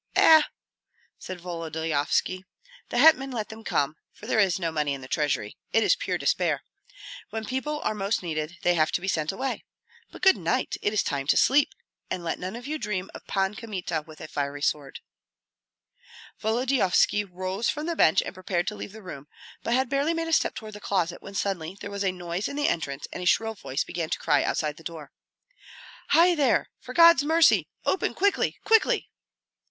"Eh!" said Volodyovski, "the hetman let them come, for there is no money in the treasury. It is pure despair! When people are most needed they have to be sent away. But good night! it is time to sleep, and let none of you dream of Pan Kmita with a fiery sword." Volodyovski rose from the bench and prepared to leave the room, but had barely made a step toward the closet when suddenly there was a noise in the entrance and a shrill voice began to cry outside the door "Hei there! For God's mercy! open quickly, quickly!"